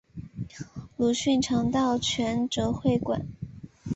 鲁迅常到全浙会馆。